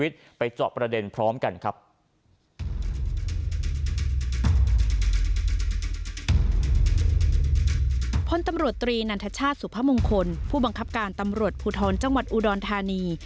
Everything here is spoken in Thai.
วิทยาชาติสุพมงคลผู้บังคับการตำรวจภูทรจังหวัดอุดรทานี